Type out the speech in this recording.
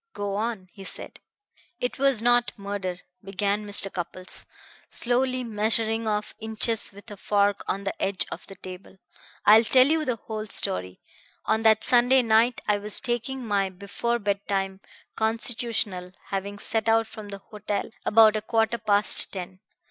"Go on," he said. "It was not murder," began Mr. Cupples, slowly measuring off inches with a fork on the edge of the table. "I will tell you the whole story. On that Sunday night I was taking my before bedtime constitutional, having set out from the hotel about a quarter past ten.